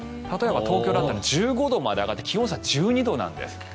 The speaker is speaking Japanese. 例えば、東京だったら１５度まで上がって気温差は１２度なんです。